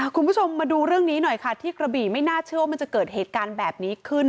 คุณผู้ชมมาดูเรื่องนี้หน่อยค่ะที่กระบี่ไม่น่าเชื่อว่ามันจะเกิดเหตุการณ์แบบนี้ขึ้น